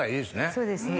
そうですね。